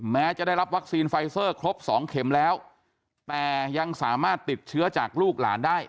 แม้จะได้รับวัคซีนไฟเซอร์ครบสองเข็มแล้วแต่ยังสามารถติดเชื้อจากลูกหลานได้